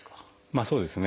まあそうですね。